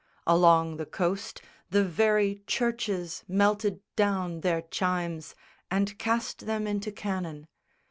Along the coast The very churches melted down their chimes And cast them into cannon.